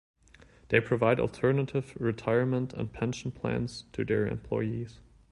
They provide alternative retirement and pension plans to their employees.